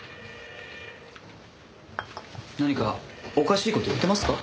何かおかしい事言ってますか？